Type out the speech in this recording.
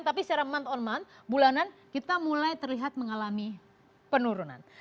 tapi secara moth on moon bulanan kita mulai terlihat mengalami penurunan